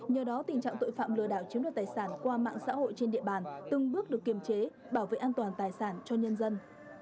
nhờ đó tình trạng tội phạm lừa đảo chiếm đoạt tài sản qua mạng xã hội trên địa bàn từng bước được kiềm chế bảo vệ an toàn tài sản cho nhân dân